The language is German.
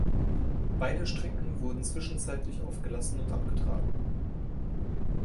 Beide Strecken wurden zwischenzeitlich aufgelassen und abgetragen.